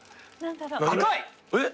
赤い！